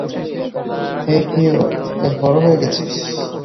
হেই, Theo, বেশ বড়ো হয়ে গেছিস।